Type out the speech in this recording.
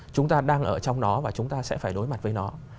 chúng ta đang ở trong đó và chúng ta sẽ phải đối mặt với nó